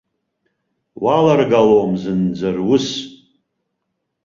Уаларгалом зынӡа рус.